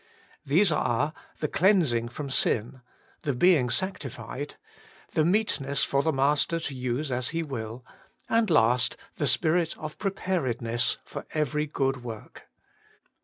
These are, the cleansing from sin ; the being sanctified ; the meetness for the Master to use as He will ; and last, the spirit of preparedness for every good work.